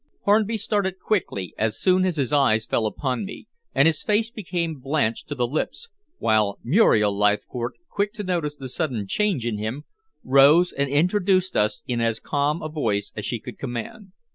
Hornby started quickly as soon as his eyes fell upon me, and his face became blanched to the lips, while Muriel Leithcourt, quick to notice the sudden change in him, rose and introduced us in as calm a voice as she could command.